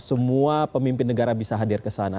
semua pemimpin negara bisa hadir kesana